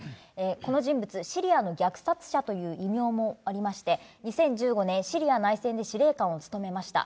この人物、シリアの虐殺者という異名もありまして、２０１５年、シリア内戦で司令官を務めました。